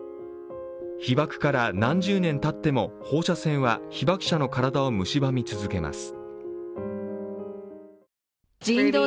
被爆から何十年たっても放射線は被爆者の体をむしばみ続けます。